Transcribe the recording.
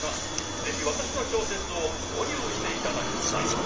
ぜひ私の小説を購入していただきたい。